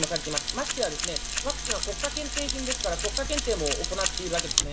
ましてやワクチンは国家検定品ですから、国家検定も行っているわけですね。